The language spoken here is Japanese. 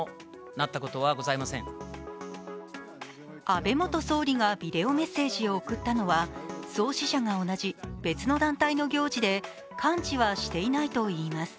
安倍元総理がビデオメッセージを送ったのは創始者が同じ別の団体の行事で、関知はしていないといいます。